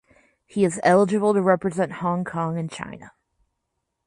He is eligible to represent Hong Kong and China.